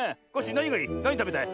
なにたべたい？